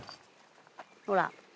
ほら。